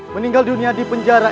meninggal dunia di penjara